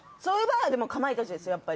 そういう場合はでもかまいたちですよ